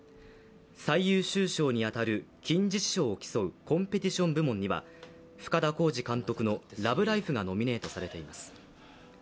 最優秀賞に当たる金獅子賞を来そうコンペティション部門には深田晃司監督の「ＬＯＶＥＬＩＦＥ」がノミネートされています。